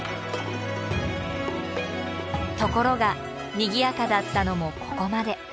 ところがにぎやかだったのもここまで。